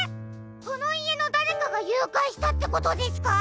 このいえのだれかがゆうかいしたってことですか？